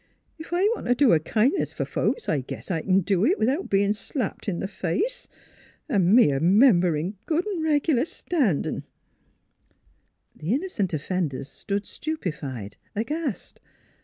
" Ef I want t' do a kindness f'r folks I guess I kin do it, without bein' NEIGHBORS 83 slapped in th' face an' me a member in good V reg'lar standin' !" The innocent offenders stood stupefied, aghast.